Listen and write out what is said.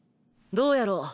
どうやろ？